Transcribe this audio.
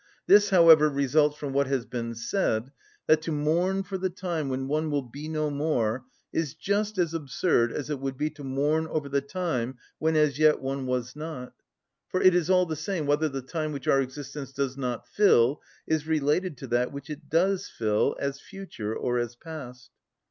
This, however, results from what has been said, that to mourn for the time when one will be no more is just as absurd as it would be to mourn over the time when as yet one was not; for it is all the same whether the time which our existence does not fill is related to that which it does fill, as future or as past.